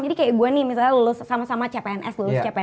jadi kayak gue nih misalnya sama sama cpns